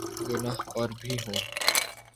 گناہ اور بھی ہوں۔